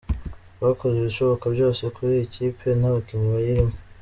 Twakoze ibishoboka byose kuri iyi kipe n’abakinnyi bayirimo.